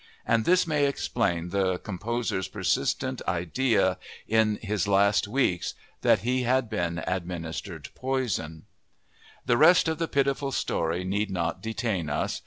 And this may explain the composer's persistent idea in his last weeks that he had been administered poison. The rest of the pitiful story need not detain us.